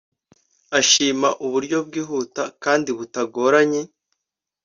ashima uburyo byihuta kandi bitagoranye